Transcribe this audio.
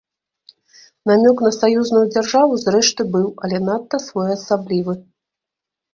Намёк на саюзную дзяржаву, зрэшты, быў, але надта своеасаблівы.